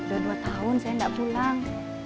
udah dua tahun saya tidak pulang